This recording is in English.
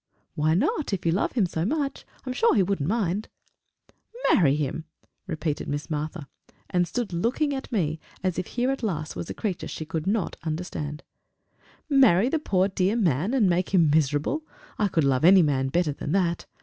"Why not, if you love him so much? I'm sure he wouldn't mind!" "Marry him!" repeated Miss Martha, and stood looking at me as if here at last was a creature she could not understand; "marry the poor dear man, and make him miserable! I could love any man better than that!